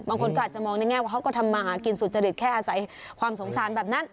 บางคนก็อาจจะมองในแง่ว่าเขาก็ทำมาหากินสุจริตแค่อาศัยความสงสารแบบนั้น